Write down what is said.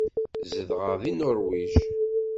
Zedɣeɣ deg Nuṛwij.